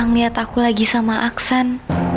ngeliat aku lagi sama aksan